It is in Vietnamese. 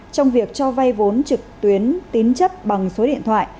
trong việc cho vay vốn trực tuyến tín chấp bằng số điện thoại